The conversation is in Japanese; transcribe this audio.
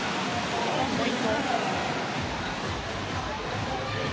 日本のポイント。